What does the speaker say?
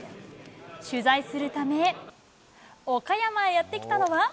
取材するため岡山へやって来たのは。